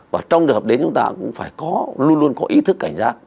và trong trường hợp đến chúng ta cũng phải luôn luôn có ý thức cảnh giác